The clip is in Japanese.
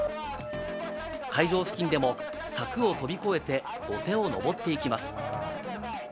会場付近でも柵を飛び越えて土手を上っていきます。